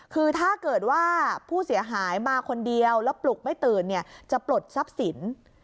คือถ้าเกิดว่าผู้เสียหายมาคนเดียวแล้วปลุกไม่ตื่นเนี่ยจะปลดทรัพย์สิน